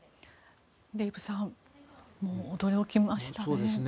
デーブさん驚きましたね。